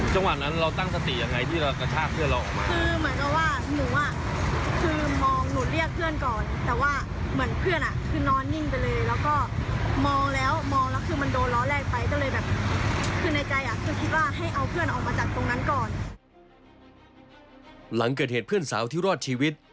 หลังเกิดเหตุเพื่อนสาวที่รอดชีวิต